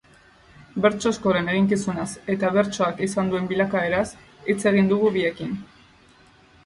Bertso eskolen eginkizunaz eta bertsoak izan duen bilakaeraz hitz egin dugu biekin.